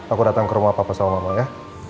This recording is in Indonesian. aku datang ke rumah papa sama mama ya